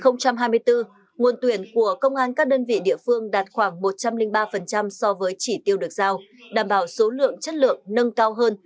năm hai nghìn hai mươi bốn nguồn tuyển của công an các đơn vị địa phương đạt khoảng một trăm linh ba so với chỉ tiêu được giao đảm bảo số lượng chất lượng nâng cao hơn